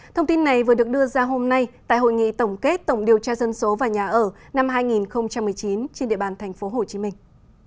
thông tin này vừa được đưa ra hôm nay tại hội nghị tổng kết tổng điều tra dân số và nhà ở năm hai nghìn một mươi chín trên địa bàn thành phố hồ chí minh